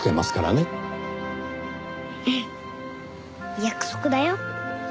約束だよ。